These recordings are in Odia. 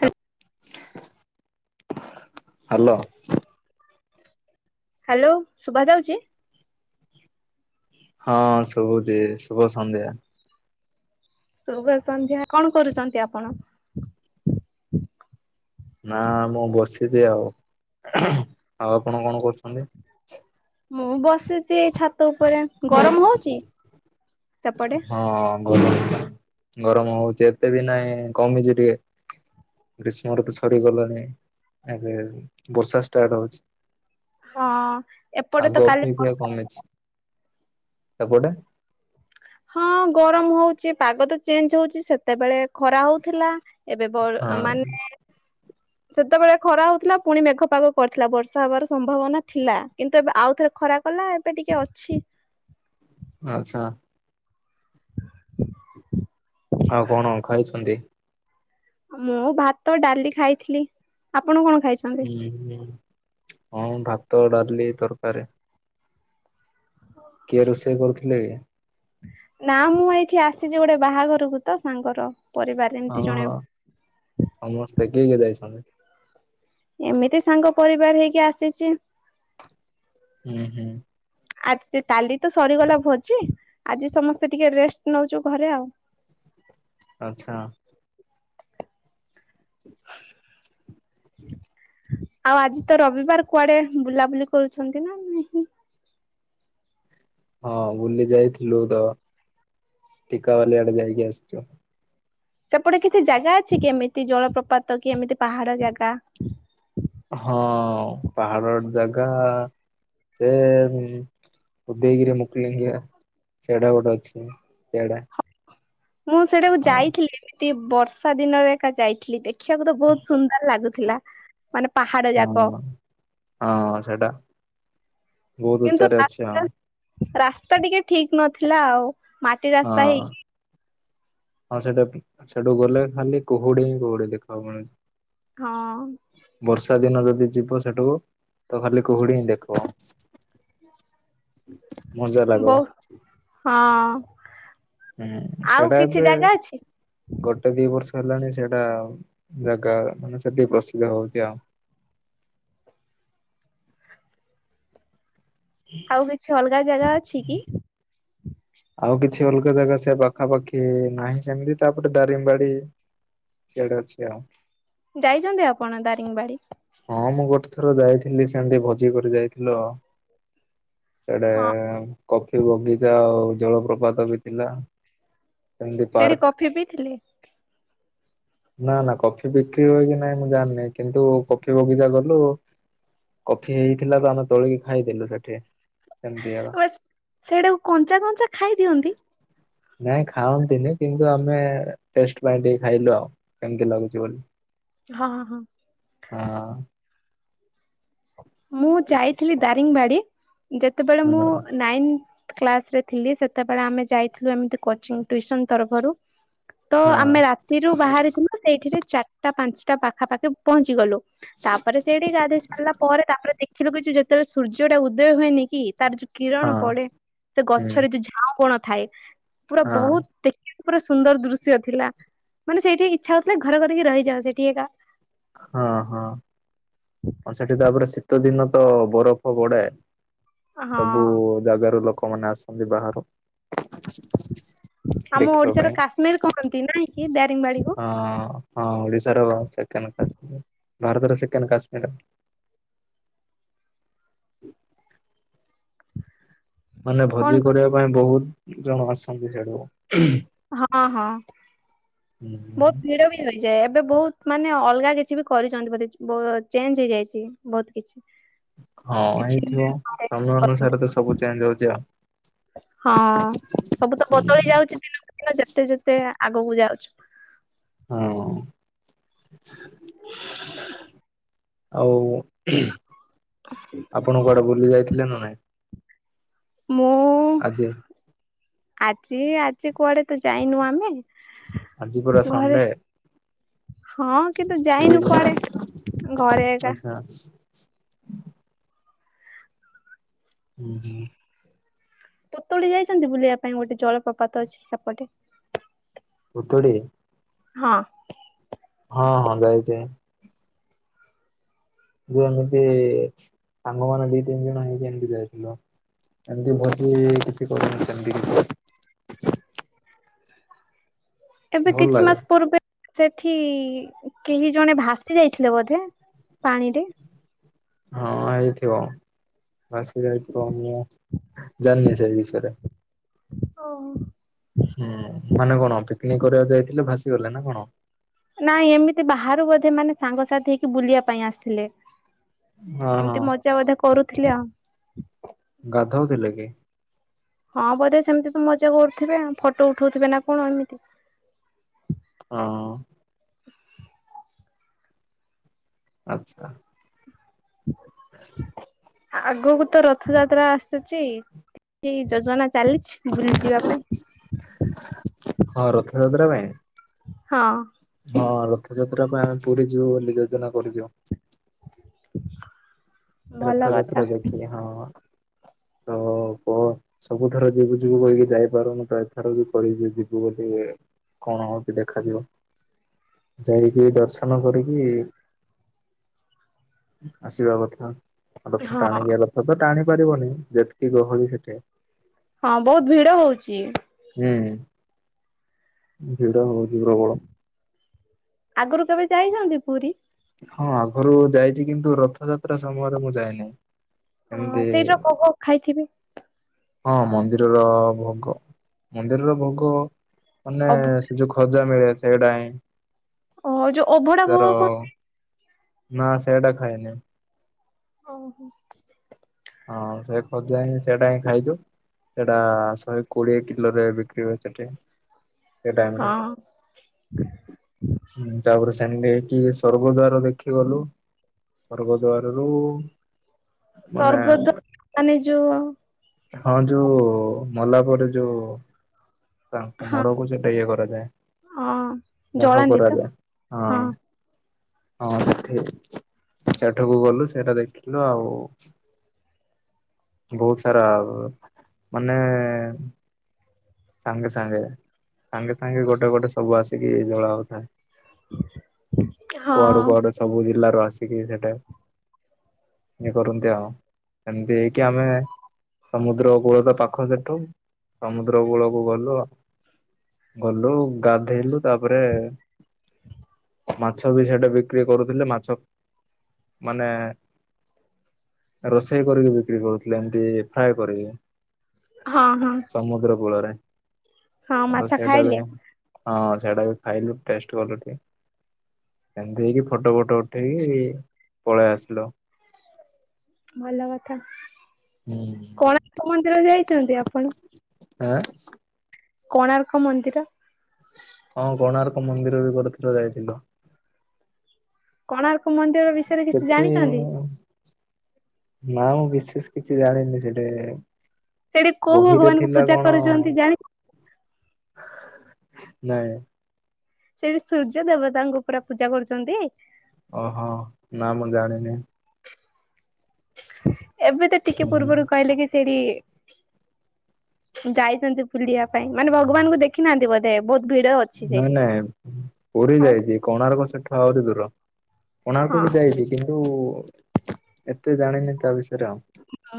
ହ। ହାଲୋ। ହାଲୋ ସୁଭା ଯାଉଚି? ହଁ ଶୁଭୁଚି ଶୁଭ ସନ୍ଧ୍ୟା। ଶୁଭ ସନ୍ଧ୍ୟା କଣ କରୁଚନ୍ତି ଆପଣ? ନା ମୁଁ ବସିଚି ଆଉ ଆଉ ଆପଣ କଣ କରୁଛନ୍ତି? ମୁଁ ବସିଛି ଏଇ ଛାତ ଉପରେ ଗରମ ହଉଛି। ସେପଟେ? ହଁ ଗର ଗରମ ହଉଛି ଏତେ ବି ନାହିଁ କମିଛି ଟିକେ। ଗ୍ରୀଷ୍ମ ଋତୁ ସରିଗଲାଣିି ଏବେ ବର୍ଷା ଷ୍ଟାର୍ଟ ହଉଛି। ହଁ ଏପଟେ ତ ଆଗ କାଲି ଅପେକ୍ଷା ବର୍ଷା ହେଇଥିଲା। କମିଚି। ସେପଟେ ହଁ ଗରମ ହଉଛି ପାଗ ତ ଚେଞ୍ଜ ହଉଛି ସେତେବେଳେ ଖରା ହଉଥିଲା। ଏବେ ବ ହଁ ମାନେ ସେତେବେଳେ ଖରା ହଉଥିଲା ପୁଣି ମେଘ ପାଗ କରିଥିଲା ବର୍ଷା ହବାର ସମ୍ଭାବନା ଥିଲା କିନ୍ତୁ ଏବେ ଆଉଥରେ ଖରା କଲା ଏବେ ଟିକେ ଅଛି। ଆଛା। ଆଉ କଣ ଖାଇଛନ୍ତି? ମୁଁ ଭାତ ଡାଲି ଖାଇଥିଲି ଆପଣ କଣ? ଖାଇଛନ୍ତି? ହଁ ହଁ ଭାତ, ଡାଲି, ତରକାରୀ। କିଏ ରୋଷେଇ କରୁଥିଲେ? ନା ମୁଁ ଏଇଠି ଆସିଛି ଗୋଟେ ବାହାଘରକୁ ତ ସାଙ୍ଗର। ପରିବାରରେ ହଁ ଏମତି ହଁ ଜଣେ। ସମସ୍ତେ କିଏ କିଏ ଯାଇଛନ୍ତି? ଏମିତି ସାଙ୍ଗ ପରିବାର ହେଇକି ଆସିଛି। ହୁଁ ହୁଁ। ଆଜି ସେ କାଲି ତ ସରିଗଲା ଭୋଜି ଆଜି ସମସ୍ତେ ଟିକେ ରେଷ୍ଟ ନଉଛୁ ଘରେ ଆଉ। ଆଛା। ଆଉ ଆଜି ତ ରବିବାର କୁଆଡେ ବୁଲାବୁଲି କରୁଛନ୍ତି ନା ନାହିଁ? ହଁ ବୁଲି ଯାଇଥିଲୁ ତ ଟିକାବାଲି ଆଡେ ଯାଇକି ଆସିଛୁ। ସେପଟେ କିଛି ଜାଗା ଅଛି କି ଏମିତି ଜଳପ୍ରପାତ କି ଏମିତି ପାହାଡ ଜାଗା? ହଁ ପାହାଡର ଜାଗା ସେ ଉଦୟଗିରି, ମୁକୁଳିଙ୍ଗିଆ ସେଟା ଗୋଟେ ଅଛି ସେଡା। ମୁଁ ସେଇଟାକୁ ଯାଇଥିଲି ଏମିତି ବର୍ଷା ଦିନରେ ଏକା ଯାଇଥିଲି ଦେଖିବାକୁ ତ ବହୁତ ସୁନ୍ଦର ଲାଗୁ ଥିଲା ମାନେ ପାହାଡ ଯାକ। ହଁ ହଁ ସେଇଟା ବହୁତ କିନ୍ତୁ ଉଚ୍ଚାରେ ଅଛି ରାସ୍ତା ଆଉ। ରାସ୍ତା ଟିକେ ଠିକ ନଥିଲା ଆଉ ମାଟି ରାସ୍ତା ହଁ ହେଇକି ହଁ ସେଟା ପି ସେଠୁ ଗଲେ ଖାଲି କୁହୁଡି ହିଁ କୁହୁଡି ଦେଖାହୁଏ। ହଁ ବର୍ଷା ଦିନ ରେ। ଯଦି ଯିବ ସେଠକୁ ତ ଖାଲି କୁହୁଡି ହିଁ ଦେଖିବ। ମଜା ବହୁ ଲାଗବ। ହଁ ହୁଁ ଆଉ ସେଟା କିଛି ଏବେ ଜାଗା ଅଛି? ଗୋଟେ ଦି ବର୍ଷ ହେଲାଣି ସେଇଟା ଆଉ ଜାଗା ମାନେ ସେଠି ପ୍ରସିଦ୍ଧ ହଉଛି ଆଉ। ଆଉ କିଛି ଅଲଗା ଜାଗା ଅଛି କି? ଛି ଅଲଗା ଜାଗା ସେ ପାଖାପାଖି ନାହିଁ ସେମିତି ତାପରେ ଦାରିଙ୍ଗବାଡି ସେଇଟା ଅଛି ଆଉ। ଯାଇଛନ୍ତି ଆପଣ ଦାରିଙ୍ଗବାଡି? ହଁ ମୁଁ ଗୋଟେ ଥର ଯାଇଥିଲି ସେମତି ଭୋଜି କରି ଯାଇଥିଲୁ ଆଉ। ସେଟା ହଁ। କଫି ବଗିଚା ଆଉ ଜଳପ୍ରପାତ ବି ଥିଲା। ସେମିତି ସେଇଠି ପାର୍କ। କଫି ପିଇ ଥିଲେ? ନା ନା କଫି ବିକ୍ରି ହୁଏ କି ନାଇଁ ମୁଁ ଜାଣିନି କିନ୍ତୁ କ ଫି ବଗିଚା ଗଲୁ କଫି ହେଇଥିଲା ତ ଆମେ ତୋଳିକି ଖାଇଦେଲୁ ସେଠି। ସେମିତି ଆଉ। ହାଁ ବାସ ସେଟାକୁ କଞ୍ଚା କଞ୍ଚା ଖାଇ ଦିଅନ୍ତି? ନାଇଁ ଖାଅନ୍ତିନି କିନ୍ତୁ ଆମେ ଟେଷ୍ଟ ପାଇଁ ଟିକେ ଖାଇଲୁ ଆଉ କେମିତି ଲାଗୁଛି ବୋଲି। ହଁ ହଁ ହଁ। ହଁ। ମୁଁ ଯାଇଥିଲି ଦାରିଙ୍ଗବାଡି। ଯେତେବେଳେ ହଁ ମୁଁ ନାଇନ୍ଥ କ୍ଲାସ ରେ ଥିଲି ସେତେବେଳେ ଆମେ ଯାଇଥିଲୁ ଏମିତି କୋଚିଂ ଟ୍ୟୁସନ ତରଫରୁ। ତ ହଁ ଆମେ ରାତିରୁ ବାହାରିଥିଲୁ ତ ସେଇଠିରେ ଚାରଟା ପାଞ୍ଚ ଟା ପାଖା ପାଖି ପହଞ୍ଚି ଗଲୁ। ତାପରେ ସେଇଠି ଗାଧେଇ ସାରିଲା ପରେ ତାପରେ ଦେଖିଲୁ କିଛି ଯେତେବେଳେ ସୂର୍ଯ୍ୟ ଟା ଉଦୟ ହୁଏ ନି କି? ତାର ଯୋଉ ହଁ କିରଣ ପଡେ ସେ ହୁଁ। ଗଛରେ ଯୋଉ ଝାଉ ବଣ ଥାଏ ପୁରା ହଁ ବହୁତ ଦେ [unintelligible] ପୁରା ସୁନ୍ଦର ଦୃଶ୍ୟ ଥିଲା। ମାନେ ସେଇଠି ଇଚ୍ଛା ହଉଥିଲା ଘର କରିକି ରହିଯାଅ ସେଠି ଏକା। ହଁ ହଁ। ହ ସେଠି ତାପରେ ଶୀତ ଦିନ ତ ବରଫ ପଡେ। ହଁ ସବୁ ଜାଗାରୁ ଲୋକମାନେ ଆସନ୍ତି ବାହାରୁ। ଆମ ଦେଖିବା ଓଡିଶାର ପାଇଁ କାଶ୍ମୀର କହନ୍ତି ନାଇଁ କି ଦା ହଁ ହଁ ଓଡ଼ିଶ ଶା ର ସେକେଣ୍ଡ କଶ୍ମୀର ଭାରତର ସେକଣ୍ଡ କାଶ୍ମୀର ଆଉ। ମାନେ ଭୋଜି କଣ କହିଲେ କରିବା ପାଇଁ ବହୁତ ଜଣ ଆସନ୍ତି ସେଠିକୁ ହୁମ। ହଁ ହଁ ବହୁତ ଭିଡ଼ ବି ହୁଏ। ହେଯାଏ ଏବେ ବହୁତ ମାନେ ଅଲଗା କିଛି ବି କରିଛନ୍ତି ବଧେ ବ ଚେଞ୍ଜ ହେଇଯାଇଛି ବହୁତ କିଛି। ହଁ ହେଇଥିବ ସମୟ କିଛି ଅନୁସାରେ ତ ସବୁ ଚେଞ୍ଜ ହଉଛି ଆଉ। ହଁ ସବୁ ତ ବଦଳି ଯାଉଛି ଦିନକୁ ଦିନ ଯେ ଯେତେ ଯେତେ ଆଗକୁ ଯାଉଛୁ। ହଁ। ଆଉ ଉ ହୁମ ଆପଣ କୁଆଡେ ବୁଲି ଯାଇଥିଲେ ନା ନାଇଁ? ମୁଁ, ଆଜି ଆଜି ଆଜି କୁଆଡେ ତ ଯାଇନୁ ଆମେ! ଆଜି ପରା ଘରେ ସଣ୍ଡେ! ହଁ, କିନ୍ତୁ ଫ୍ରି ଯାଇନୁ ନା? କୁଆଡେ ଘରେ ଏକା। ଆଚ୍ଛା ହୁଁ ହୁଁ। ପୁତୁଡ଼ି ଯାଇଛନ୍ତି ବୁଲିବା ପାଇଁ ଗୋଟେ ଜଳପ୍ରପାତ ଅଛି, ସେପଟେ? ପୁତୁଡ଼ି! ହଁ। ହଁ ହଁ ଯାଇଚି। ଯେ ଏମିତି-ଇ ସାଙ୍ଗ ମାନ ଦି ତିନି ଜଣ ହେଇକି, ଏମତି ଯାଇଥିଲୁ। ଏମତି ଭୋଜି-ଇ କିଛି କରିନୁ ସେମତି କିଛି। [inaudible] ଏବେ ଭଲ କିଛି ଲାଗେ ମାସ ପୂର୍ବେ ସେଠି-ଇ କେହି ଜଣେ ଭାସ୍ ଯାଇଥିଲେ ବୋଧେ ପାଣିରେ? ହଁ, ହେଇଥିବ ଭାସି ଯାଇଥିବ। ନା ଜାଣିନି ସେଇ ବିଷୟରେ। ହଁ। ହୁଁ ସିଗଲା ନା କଣ? ନାଇ, ଏମିତି ବାହାରୁ ବୋଧେ ମାନେ ସାଙ୍ଗସାଥି ହେଇକି ବୁଲିବା ପାଇଁ ଆସିଥିଲେ। ହଁ ହଁ ଏମିତି ମଜା ବଧେ କରୁଥିଲେ ଆଉ। ଗାଧଉ ଥିଲେ କି? ହଁ, ବୋଧେ ସେମିତି ତ ମଜା କରୁଥିବେ ଫଟୋ ଉଠଉଥିବେ ନା କଣ ଏମିତି। ହଁ। ଆଚ୍ଛା। [inaudible] ଆଗକୁ ତ ରଥଯାତ୍ରା ଆସୁଛି କି ଯୋଜନା ଚାଲିଛି ବୁଲି ଯିବା ପାଇଁ? ହଁ ରଥଯାତ୍ରା ପାଇଁ? ହଁ। ହଁ, ରଥଯାତ୍ରା ପାଇଁ ଆମେ ପୁରୀ ଯିବୁ ବୋଲି ଯୋଜନା କରିଛୁ। [inaudible] ଭଲ କଥା ରଥଯାତ୍ରା ଦେଖି। ହଁ, ତ ଓହଃ ହ ସବୁଥର ଯିବୁ ଯିବୁ କହିକି ଯାଇପାରୁନୁ, ତ ଏଥର ବି କହିବି ଯିବୁ ବୋଲି। କଣ ହଉଛି ଦେଖାଯିବ? ଯାଇକି ଟିଏ ଦର୍ଶନ କରିକି ଆସିବା କଥା। ରଥ ହଁ ଟାଣିକି ରଥ ତ ଟାଣି ପାରିବନି। ଯେତିକି ଗହଳି ସେଠି। ହଁ, ବହୁତ ଭିଡ ହଉଛି। ହୁଁ, ଭିଡ ହଉ ଆଗରୁ କେବେ ଯାଇଛନ୍ତି ପୁରୀ? ହଁ, ଆଗରୁ ଯାଇଛି। କିନ୍ତୁ ରଥଯାତ୍ରା ସମୟରେ ମୁଁ ଯାଇନି। ହଁ, ଏମିତି ସେଇଟର କୋହ ଖାଇଥିବେ? ହଁ, ମନ୍ଦିରର ଭୋଗ! ମନ୍ଦିରର ଭୋଗ ଅଭ ମାନେ-ଏ ସେ ଯୋଉ ଖଜା ମିଳେ। ସେଡ଼ା ହିଁ ଓ ଯୋଉ ଅଭଡା ଭୋଗ ତାର କହନ୍ତି! ନା ସେଡ଼ା ଖାଇନି। ଓହୋ! ହଁ, ସେ ଖୋଜା ହିଁ, ସେଡ଼ା ହିଁ ଖାଇଛୁ। ସେଡ଼ା ଶହେ କୋଡିଏ କିଲୋରେ ବିକ୍ରି ହୁଏ ସେଠି। ସେଇ ଟାଇମ୍ ରେ ହଁ ହୁଁ, ତାପରେ ସେ ସେଣ୍ଡିକି ସ୍ଵର୍ଗ ଦ୍ୱାର ଦେଖିଗଲୁ। ସ୍ୱର୍ଗ ଦ୍ୱାରରୁୁ ସ୍ଵର୍ଗଦ୍ୱା ମାନେ ଯୋ ହଁ ଯୋଉ ମଲା ପରେ ଯୋଉ ତାଙ୍କ ହଁ ମଢକୁ ସେଠା ଇଏ କରାଯାଏ। ହଁ ଦାହ ଜଳାନ୍ତି ତ କରାଯାଏ ହଁ। ହଁ ସେଠି ସେଠାକୁ ଗଲୁ ସେଇଟା ଦେଖିଲୁ ଆଉ ବୋହୁତ ସାରା ମାନେ ସାଙ୍ଗେ ସାଙ୍ଗେ ସାଙ୍ଗେ ସାଙ୍ଗେ ଗୋଟେ ଗୋଟେ ସବୁ ଆସିକି ଜଳା ହୋଉଥାଏ। ହଁ କୁଆଡୁ କୁଆଡୁ ସବୁ ଜିଲ୍ଲାରୁ ଆସିକି ସେଠେ ଇଏ କରନ୍ତି ଆଉ ଏମିତି ହେଇକି ଆମେ ସମୁଦ୍ର କୂଳତ ପାଖ ସେଠୁ ସମୁଦ୍ର କୂଳକୁ ଗଲୁ ଗଲୁ ଗାଧେଇଲୁ ତାପରେ ମାଛ ବି ସେଇଟେ ବିକ୍ରି କରୁଥିଲେ ମାଛ ମାନେ ରୋଷେଇ କରିକି ବିକ୍ରି କରୁଥିଲେ ଏମତି ଫ୍ରାଏ କରିକି। ହଁ ହଁ। ସମୁଦ୍ର କୂଳରେ ହଁ ମାଛ ସେଇଟା ବି ଖାଇଲେ ହଁ ସେଇଟା ବି ଖାଇଲୁ ଟେଷ୍ଟ କଲୁ ଟିକେ ଏମିତି ହେଇକି ଫଟୋ ଫଟୋ ଉଠେଇକି ପଳେଇ ଆସିଲୁ। ଭଲ କଥା ହୁଁ। କୋଣାର୍କ ମନ୍ଦିର ଯାଇଚନ୍ତି ଆପଣ? ଆଁ କୋଣାର୍କ ମନ୍ଦିର। ହଁ କୋଣାର୍କ ମନ୍ଦିର ବି ଗୋଟେ ଥର ଯାଇଥିଲୁ। କୋଣାର୍କ ମନ୍ଦିର ବିଷୟରେ କିଛି ଜାଣିଚନ୍ତି? ନାଁ ମୁଁ ବିଶେଷ କିଛି ଜାଣିନି ସେଟେ ସେଠି କୋଉ ବହିରେ ଭଗବାନଙ୍କୁ ଥିଲା ପୂଜା କଣ? କରୁଛନ୍ତି ଜାଣି ନାଇଁ। ସେଠି ସୂର୍ଯ୍ୟ ଦେବତାଙ୍କୁ ପୁରା ପୂଜା କରୁଚନ୍ତି। ଓହୋ ନାଁ ମୁଁ ଜାଣିନି। ଏବେ ତ ଟିକେ ହୁଁ ହୁଁ। ପୂର୍ବରୁ କହିଲି କି ସେଇଠି ଯାଇଚନ୍ତି ବୁଲିବା ପାଇଁ ମାନେ ଭଗବାନଙ୍କୁ ଦେଖିନାହାନ୍ତି ବୋଧେ ବୋ ନାଇଁ ନାଇଁ ପୁରୀ ଆଉ ଯାଇଚି କୋଣାର୍କ ସେଠୁ ଆହୁରି ଦୂର। କୋଣାର୍କ ହଁ କୁ ଯାଇଚି କିନ୍ତୁ ଏତେ ଜାଣିନି ତା ବିଷ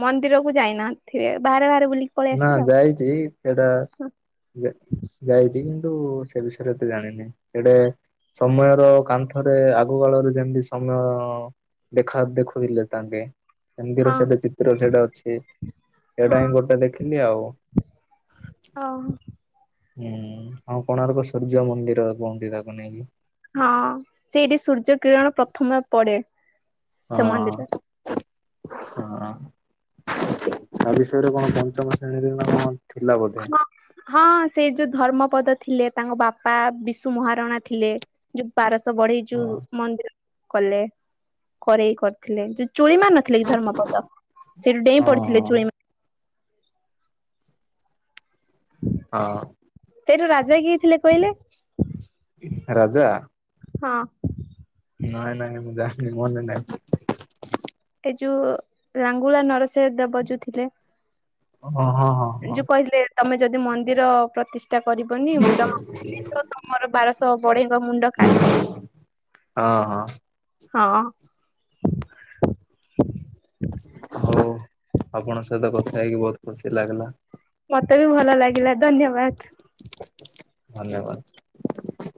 ମନ୍ଦିରକୁ ଯାଇନାହାଥିବେ ବାହାରେ ବାହାରେ ବୁଲିକି ପଳେଇ ନା ଆସିଥିବେ ଆଉ। ଯାଇଚି ସେଟା ଯା-ଯାଇଛି କିନ୍ତୁ ସେ ବିଷୟରେ ଏତେ ଜାଣିନି ସେଟେ ସମୟର କାନ୍ଥରେ ଆଗ କାଳରେ ଯେମିତି ସମୟ ଦେଖା ଦେଖୁ ଥିଲେ ତାଙ୍କେ। ଏମିତିର ହଁ ସେଇଟେ ଚିତ୍ର ସେଟେ ଅଛି ହଁ ସେଇଟା ହିଁ ଗୋଟେ ଦେଖି ଥିଲି ଆଉ ଓହୋ। ହୁଁ ଆଉ କୋଣାର୍କ ସୂର୍ଯ୍ୟ ମନ୍ଦିର କୁହନ୍ତି ତାକୁ ନେଇକି। ହଁ ସେଇଠି ସୂର୍ଯ୍ୟ କିରଣ ପ୍ରଥମେ ପଡେ। ସେ ମନ୍ଦିରରେ ଆଚ୍ଛା ହଁ ତା ବିଷୟରେ କଣ ପଞ୍ଚମ ଶ୍ରେଣୀରେ ନା କଣ ଥିଲା ବୋଧେ ହଁ ହଁ ସେଇ ଯୋଉ ଧର୍ମ ପଦ ଥିଲେ ତାଙ୍କ ବାପା ବିଶୁ ମହାରଣା ଥିଲେ ଯୋଉ ବାରଶ‌ ବଢେଇ ହଁ ଯୋଉ ମନ୍ଦିର କଲେ କରେଇ କରିଥିଲେ। ଚୁଳି ମାରି ନଥିଲେ କି ଧର୍ମପଦ ସେଇଠୁ ଡେଇଁ ପଡିଥିଲେ ହଁ। ଚୁଳି ହଁ। ସେଇଠୁ ରାଜା କିଏ ଥିଲେ କହିଲେ? ରାଜା। ହଁ। ନାଇଁ ନାଇଁ ମୁଁ ଜାଣିନି ମନେ ନାହିଁ। ଏ ଯୋଉଁ ଲାଙ୍ଗୁଳା ନରସିଂହ ଦେବ ଯୋଉଁ ଥିଲେ। ହ ହଁ ହଁ ହଁ। ଯୋଉ କହିଥିଲେ ତମେ ଯଦି ମନ୍ଦିର ପ୍ରତିଷ୍ଠା କରିବନି ମୁଣ୍ଡ ତମର ବାରଶହ ବଢେଇ ମୁଣ୍ଡ କାଟବ ହଁ ହଁ ହବ। ହଁ। ହଉ ଆପଣଙ୍କ ସହିତ କଥା ହେଇକି ବହୁତ ଖୁସି ଲାଗିଲା। ମତେ ବି ଭଲ ଲାଗିଲା ଧନ୍ୟବାଦ। ଧନ୍ୟବାଦ।